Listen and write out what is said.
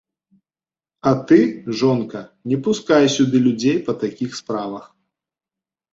А ты, жонка, не пускай сюды людзей па такіх справах!